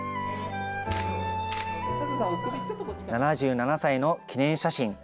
７７歳の記念写真。